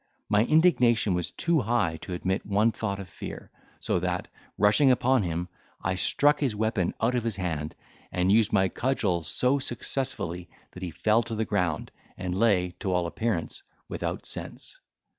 My indignation was too high to admit one thought of fear, so that, rushing upon him, I struck his weapon out of his hand, and used my cudgel so successfully that he fell to the ground, and lay, to all appearance, without sense.